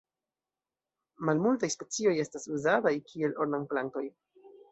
Malmultaj specioj estas uzataj kiel ornamplantoj.